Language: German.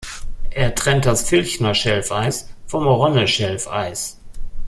Er trennt das Filchner-Schelfeis vom Ronne-Schelfeis.